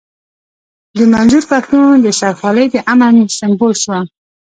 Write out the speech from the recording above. د منظور پښتين د سر خولۍ د امن سيمبول شوه.